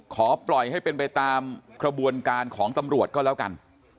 ขอให้ปล่อยให้เป็นไปตามกระบวนการของตำรวจก็แล้วกัน